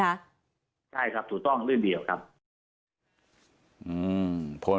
ใช่ครับถูกต้องเรื่องเดียวครับอืมผล